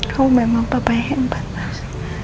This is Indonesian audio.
kamu memang papa yang hebat mas